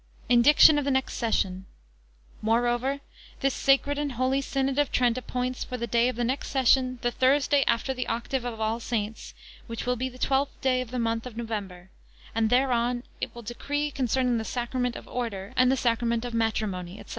INDICTION OF THE NEXT SESSION. Moreover, this sacred and holy Synod of Trent appoints, for the day of the next Session, the Thursday after the octave of All Saints, which will be the twelfth day of the month of November; and thereon It will decree concerning the sacrament of Order, and the sacrament of Matrimony, &c.